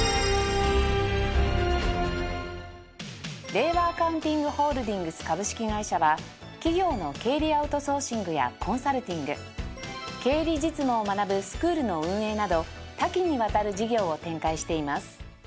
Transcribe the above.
令和アカウンティング・ホールディングス株式会社は企業の経理アウトソーシングやコンサルティング経理実務を学ぶスクールの運営など多岐にわたる事業を展開しています